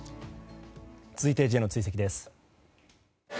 続いてＪの追跡です。